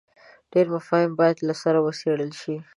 ډېر مفاهیم باید له سره وڅېړل شي.